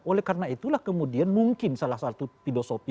oleh karena itulah kemudian mungkin salah satu filosofi